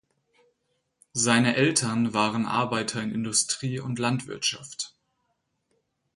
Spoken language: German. Seine Eltern waren Arbeiter in Industrie und Landwirtschaft.